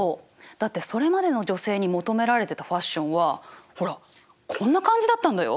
だってそれまでの女性に求められてたファッションはほらこんな感じだったんだよ。